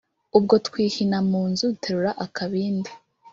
Ubwo twihina mu nzu Duterura akabindi